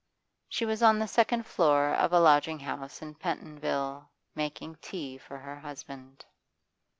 She was on the second floor of a lodging house in Pentonville, making tea for her husband.